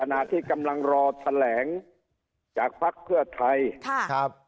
ขณะที่กำลังรอแสลงจากภักดิ์เพื่อไทย